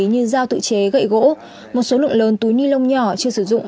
như dao tự chế gậy gỗ một số lượng lớn túi ni lông nhỏ chưa sử dụng